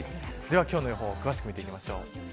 今日の週間予報詳しく見ていきましょう。